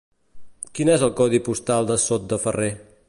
Quin és el codi postal de Sot de Ferrer?